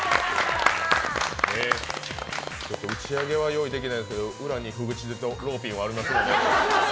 打ち上げは用意できないですけど裏にふぐちりとローピンはありますので。